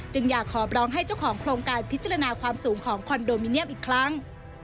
อยากขอบร้องให้เจ้าของโครงการพิจารณาความสูงของคอนโดมิเนียมอีกครั้ง